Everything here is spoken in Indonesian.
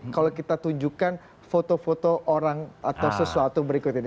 kalau kita tunjukkan foto foto orang atau sesuatu berikut ini